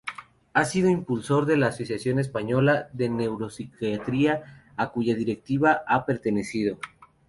Ha sido impulsor de la Asociación Española de Neuropsiquiatría, a cuya directiva ha pertenecido.